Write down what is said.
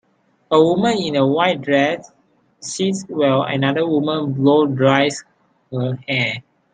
A woman in a white dress sits while another woman blow dries her hair.